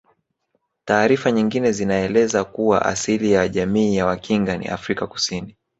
Taarifa nyingine zinaeleza kuwa asili ya jamii ya Wakinga ni Afrika Kusini